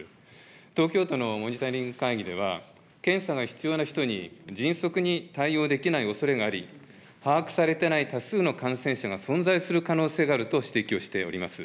東京都のモニタリング会議では、検査が必要な人に迅速に対応できないおそれがあり、把握されていない多数の感染者が存在する可能性があると指摘をしております。